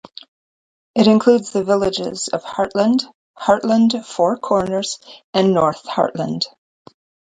It includes the villages of Hartland, Hartland Four Corners, and North Hartland.